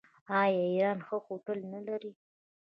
آیا ایران ښه هوټلونه نلري؟